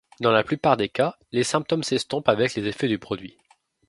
Dans la plupart des cas, les symptômes s'estompent avec les effets du produit.